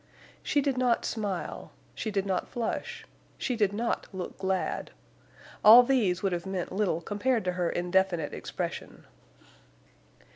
She did not smile; she did not flush; she did not look glad. All these would have meant little compared to her indefinite expression.